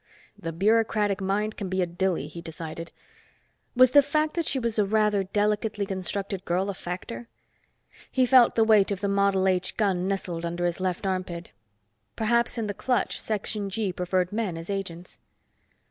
The bureaucratic mind can be a dilly, he decided. Was the fact that she was a rather delicately constructed girl a factor? He felt the weight of the Model H gun nestled under his left armpit. Perhaps in the clutch Section G preferred men as agents.